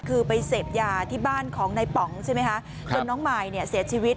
คือไปเสพยาที่บ้านของนายป๋องใช่ไหมคะจนน้องมายเนี่ยเสียชีวิต